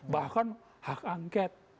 bahkan hak angket